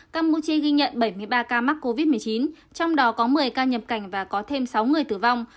campuchia ghi nhận bảy mươi ba ca mắc covid một mươi chín trong đó có một mươi ca nhập cảnh và có thêm sáu người tử vong